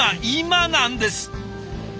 今なんです！